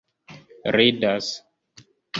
ridas